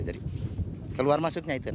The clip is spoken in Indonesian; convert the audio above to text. jadi keluar masuknya itu